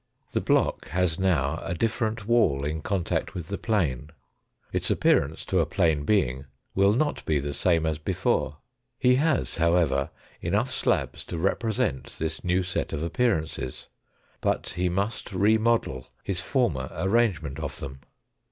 The block has now a different wall in contact with the plane. Its appearance to a plane being will not be the same as before. He has, however, enough slabs to represent this new set of appearances. Bat he must remodel his former arrangement of them.